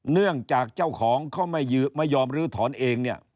เนื่องจากเจ้าของเขาไม่ยอมลื้อถอนเองเนี่ย